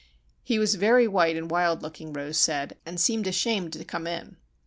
He was very white and wild looking, Rose said, and seemed ashamed to come in.